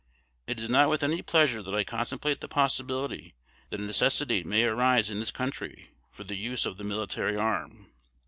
It is not with any pleasure that I contemplate the possibility that a necessity may arise in this country for the use of the military arm_.